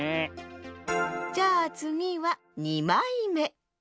じゃあつぎは２まいめ。